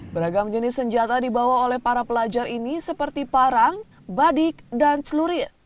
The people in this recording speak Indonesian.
beragam jenis senjata dibawa oleh para pelajar ini seperti parang badik dan celurit